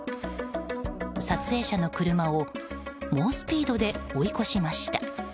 撮影者の車を猛スピードで追い越しました。